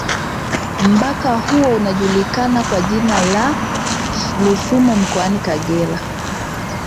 Mpaka huo unajulikana kwa jina la Rusumo mkoani Kagera